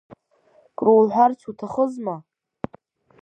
Круҳәарц уҭахызма?